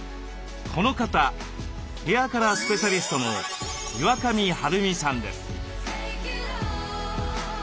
この方ヘアカラースペシャリストの岩上晴美さんです。